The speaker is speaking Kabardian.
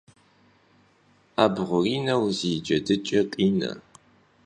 'ebğurineu zı cedıç'e khine